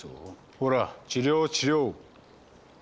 ほら治療治療。